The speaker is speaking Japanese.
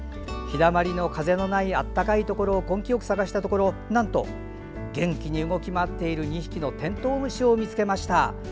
日だまりの風のない暖かいところを根気よく探したところなんと元気に動き回っている２匹のテントウムシを見つけました。